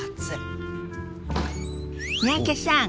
三宅さん